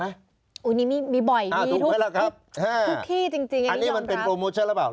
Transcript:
อันนี้มีบ่อยมีทุกที่จริงอันนี้มันเป็นโปรโมชั่นแล้วเปล่า